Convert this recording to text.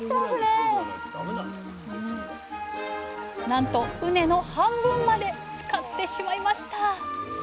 なんと畝の半分までつかってしまいました。